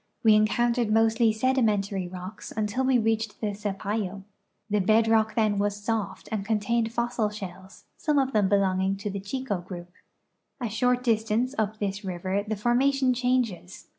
We encountered mostly sedimentary rocks until we reached the Sapayo. The bed rock then was soft and contained fossil shells, some of them belonging to the Chico group. A short distance up this river the formation changes.